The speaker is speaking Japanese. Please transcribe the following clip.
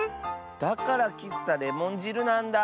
だからきっさレモンじるなんだ。